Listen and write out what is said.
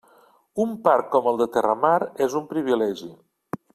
Un parc com el de Terramar és un privilegi.